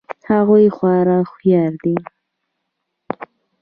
هغوی خورا هوښیار دي